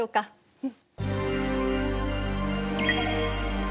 うん。